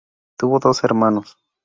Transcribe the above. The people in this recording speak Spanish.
Tuvo dos hermanos.